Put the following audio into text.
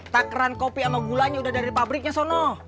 takran kopi sama gulanya udah dari pabriknya sono